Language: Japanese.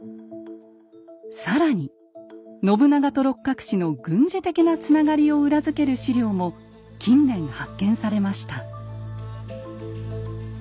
更に信長と六角氏の軍事的なつながりを裏付ける史料も近年発見されました。